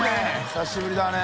久しぶりだね。